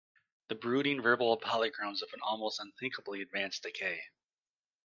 The brooding verbal polychromes of an almost unthinkably advanced decay.